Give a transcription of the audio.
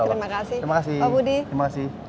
terima kasih pak budi insya allah terima kasih